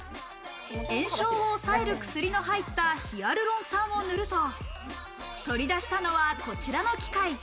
炎症を抑える薬の入ったヒアルロン酸を塗ると、取り出したのはこちらの機械。